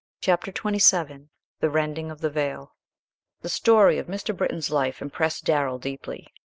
Chapter XXVII THE RENDING OF THE VEIL The story of Mr. Britton's life impressed Darrell deeply.